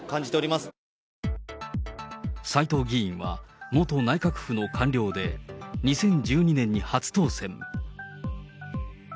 斎藤議員は元内閣府の官僚で２０１２年に初当選。